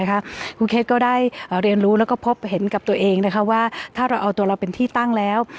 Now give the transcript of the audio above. คุณเค้กก็ได้เรียนรู้แล้วก็พบเห็นกับตัวเองว่าถ้าเราเอาตัวเราเป็นที่ตั้งแล้ว